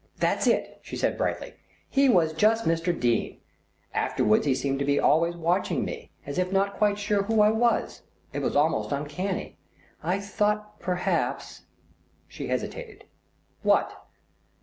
"That's it," she said brightly. "He was just Mr. Dene. Afterwards he seemed to be always watching me, as if not quite sure who I was. It was almost uncanny. I thought perhaps " She hesitated. "What?"